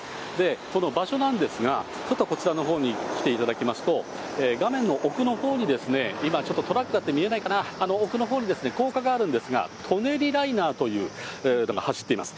その場所なんですが、ちょっとこちらのほうに来ていただきますと、画面の奥のほうに、今ちょっとトラックがあって見えないかな、あの奥のほうに高架があるんですが、舎人ライナーというものが走っています。